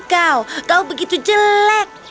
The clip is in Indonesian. kau kau begitu jelek